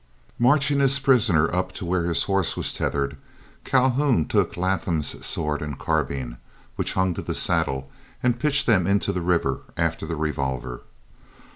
Marching his prisoner up to where his horse was tethered, Calhoun took Latham's sword and carbine which hung to the saddle and pitched them into the river after the revolver.